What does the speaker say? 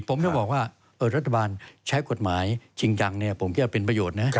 ผมจะบอกว่ารัฐบาลใช้กฎหมายจริงจังผมคิดว่าเป็นประโยชน์นะ